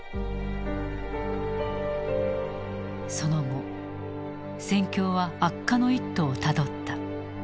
その後戦況は悪化の一途をたどった。